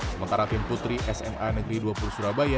sementara tim putri sma negeri dua puluh surabaya